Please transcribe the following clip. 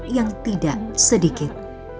yang tidak sedikit